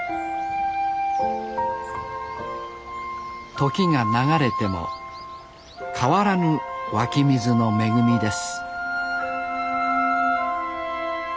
時が流れても変わらぬ湧き水の恵みです